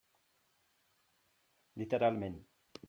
Literalment.